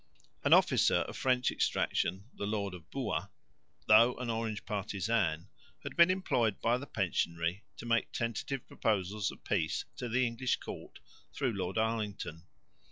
An officer of French extraction, the lord of Buat, though an Orange partisan, had been employed by the pensionary to make tentative proposals of peace to the English court through Lord Arlington.